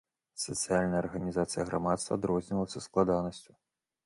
Сацыяльная арганізацыя грамадства адрознівалася складанасцю.